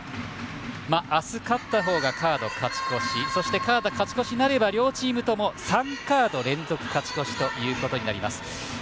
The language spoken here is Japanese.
明日、勝ったほうがカード勝ち越しそして、カード勝ち越しなれば両チームとも３カード連続勝ち越しということになります。